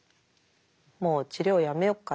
「もう治療やめようか」